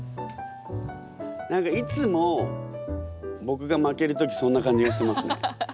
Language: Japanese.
何かいつも僕が負ける時そんな感じがしますね。